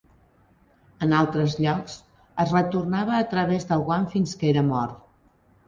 En altres llocs, es retornava a través del guant fins que era mort.